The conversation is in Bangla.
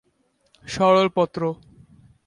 সরল পত্র।